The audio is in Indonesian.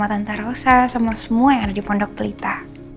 sama tante rosa sama semua yang ada di pondok pelita